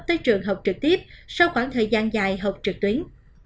tới trường học trực tiếp sau khoảng thời gian dài học trực tuyến